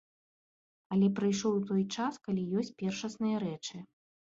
Але прыйшоў той час, калі ёсць першасныя рэчы.